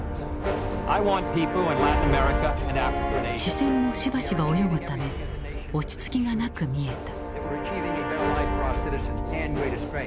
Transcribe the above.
視線もしばしば泳ぐため落ち着きがなく見えた。